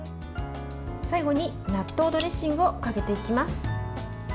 最後に納豆ドレッシングをかけていきます。